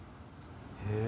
へえ。